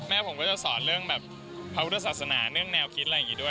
ผมก็จะสอนเรื่องแบบพระพุทธศาสนาเรื่องแนวคิดอะไรอย่างนี้ด้วย